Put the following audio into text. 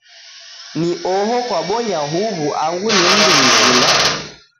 Ni oho kwabonya uwu angu ni mndu mzima?